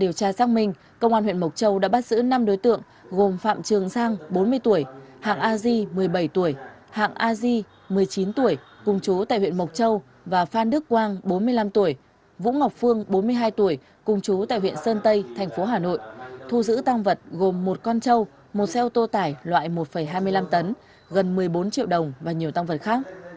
điều tra xác minh công an huyện mộc châu đã bắt giữ năm đối tượng gồm phạm trường giang bốn mươi tuổi hạng a di một mươi bảy tuổi hạng a di một mươi chín tuổi cung chú tại huyện mộc châu và phan đức quang bốn mươi năm tuổi vũ ngọc phương bốn mươi hai tuổi cung chú tại huyện sơn tây tp hà nội thu giữ tăng vật gồm một con châu một xe ô tô tải loại một hai mươi năm tấn gần một mươi bốn triệu đồng và nhiều tăng vật khác